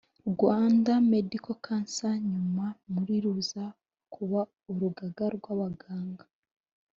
rwanda medical council nyuma muri ruza kuba urugaga rw abaganga